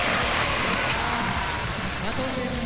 佐藤選手も。